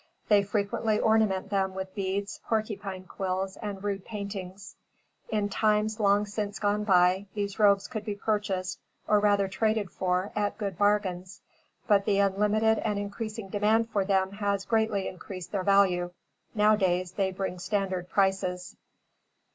They frequently ornament them with beads, porcupine quills and rude paintings. In times long since gone by, these robes could be purchased, or rather traded for, at good bargains; but, the unlimited and increasing demand for them has greatly enhanced their value. Now days they bring standard prices.